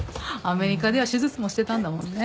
アメリカでは手術もしてたんだもんね。